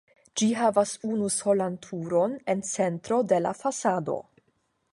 Ĝi havas unusolan turon en centro de la fasado.